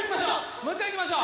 もう一回いきましょう。